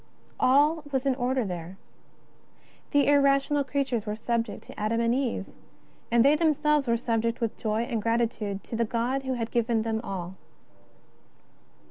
All was in order there. The irrational creatures were subject to Adam and Eve, and they themselves were subject with joy and gratitude to the God who had given them all.